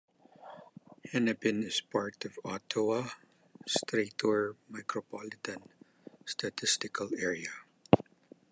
Hennepin is part of the Ottawa-Streator Micropolitan Statistical Area.